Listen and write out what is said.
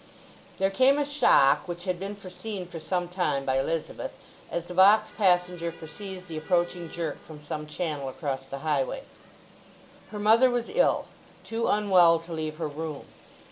XVIII. There came a shock which had been foreseen for some time by Elizabeth, as the box passenger foresees the approaching jerk from some channel across the highway. Her mother was ill—too unwell to leave her room.